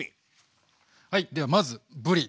はいではまずぶり。